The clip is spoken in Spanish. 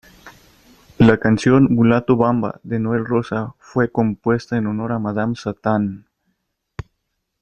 La canción "Mulato bamba", de Noel Rosa, fue compuesta en honor a Madame Satán.